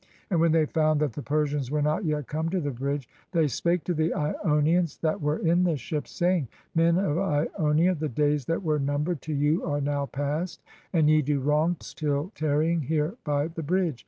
And when they found that the Persians were not yet come to the bridge, they spake to the lonians that were in the ships, saying, " Men of Ionia, the days that were numbered to you are now passed, and ye do wrong still tarrying here by the bridge.